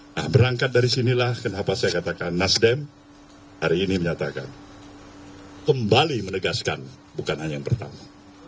nah berangkat dari sinilah kenapa saya katakan nasdem hari ini menyatakan kembali menegaskan bukan hanya yang pertama